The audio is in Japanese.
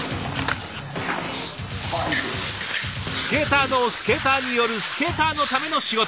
スケーターのスケーターによるスケーターのための仕事。